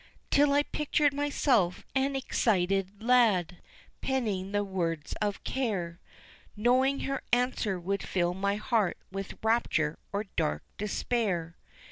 Till I pictured myself an excited lad penning the words of care, Knowing her answer would fill my heart with rapture or dark despair.